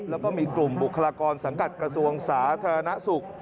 แล้วก็มีกลุ่มบุคลากรสังกัดกระทรวงสาธารณสุข